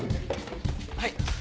はい。